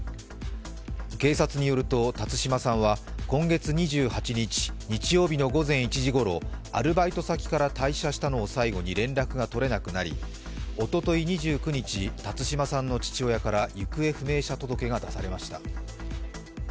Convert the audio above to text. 警察によると辰島さんは今月２８日、日曜日の午前１時ごろアルバイト先から退社したのを最後に連絡がとれなくなりおととい２９日、辰島さんの父親から行方不明者届が出されました。